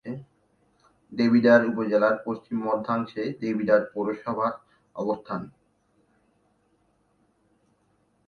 দেবিদ্বার উপজেলার পশ্চিম-মধ্যাংশে দেবিদ্বার পৌরসভার অবস্থান।